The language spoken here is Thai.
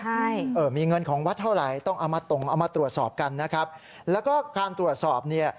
ใช่เออมีเงินของวัดเท่าไหร่ต้องเอามาตรงเอามาตรวจสอบกันนะครับแล้วก็การตรวจสอบเนี่ย